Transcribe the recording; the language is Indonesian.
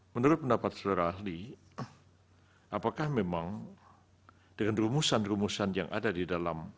menurut pendapat saudara ahli apakah memang dengan rumusan rumusan yang ada di dalam